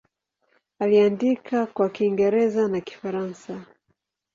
Aliandika kwa Kiingereza na Kifaransa.